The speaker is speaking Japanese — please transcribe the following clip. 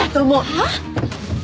はっ？